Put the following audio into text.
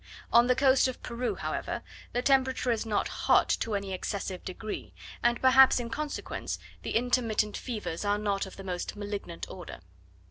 On the coast of Peru, however, the temperature is not hot to any excessive degree; and perhaps in consequence, the intermittent fevers are not of the most malignant order.